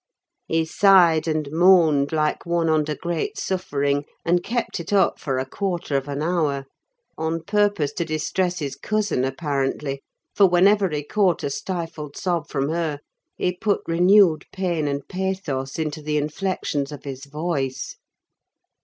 He sighed and moaned like one under great suffering, and kept it up for a quarter of an hour; on purpose to distress his cousin apparently, for whenever he caught a stifled sob from her he put renewed pain and pathos into the inflexions of his voice.